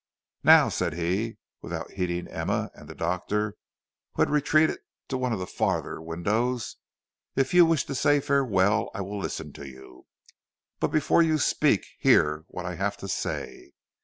"Now," said he, without heeding Emma and the Doctor, who had retreated to one of the farther windows, "if you wish to say farewell, I will listen to you; but before you speak, hear what I have to say.